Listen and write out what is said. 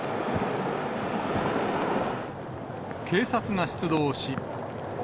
警察が出動し。